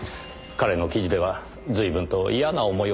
彼の記事では随分と嫌な思いをされたのでは？